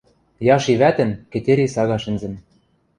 Яши вӓтӹн Кӹтьӹри сага шӹнзӹм.